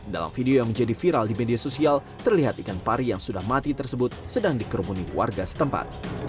dalam video yang menjadi viral di media sosial terlihat ikan pari yang sudah mati tersebut sedang dikerumuni warga setempat